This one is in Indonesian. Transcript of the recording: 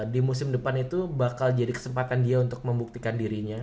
di musim depan itu bakal jadi kesempatan dia untuk membuktikan dirinya